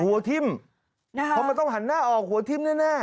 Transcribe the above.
หัวทิ่มเพราะมันต้องหันหน้าออกหัวทิ้มแน่